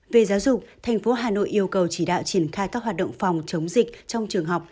về giáo dục thành phố hà nội yêu cầu chỉ đạo triển khai các hoạt động phòng chống dịch trong trường học